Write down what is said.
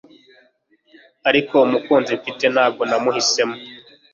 Ariko umukunzi mfite ntabwo namuhisemo